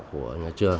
của nhà trường